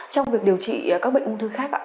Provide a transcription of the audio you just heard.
trong việc điều trị các bệnh ung thư khác ạ